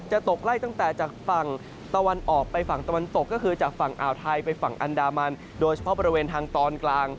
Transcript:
ตกไล่ตั้งแต่จากฝั่งตะวันออกไปฝั่งตะวันตกก็คือจากฝั่งอ่าวไทยไปฝั่งอันดามันโดยเฉพาะบริเวณทางตอนกลาง